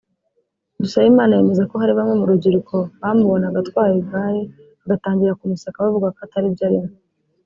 Dusabimana yemeza ko hari bamwe mu rubyiruko bamubonaga atwaye igare bagatangira kumuseka bavuga ko atazi ibyo arimo